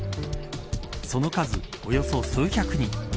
その数、およそ数百人。